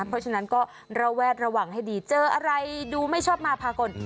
เพราะฉะนั้นก็ระแวดระวังให้ดีเจออะไรดูไม่ชอบมาพากล